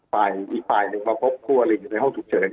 ถ้าอีกฝ่ายนึงมาพบครัวลิงอยู่ในห้องถูกเฉิน